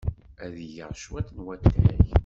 Ad d-geɣ cwiṭ n watay.